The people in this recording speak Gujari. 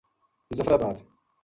مظفرآباد